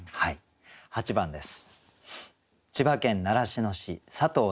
８番です。